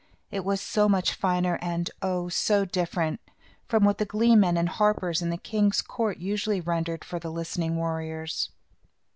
It was so much finer, and oh! so different, from what the glee men and harpers in the king's court usually rendered for the listening warriors.